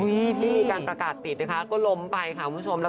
ที่มีการประกาศติดนะคะก็ล้มไปค่ะคุณผู้ชม